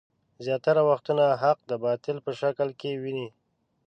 زياتره وختونه حق د باطل په شکل کې ويني.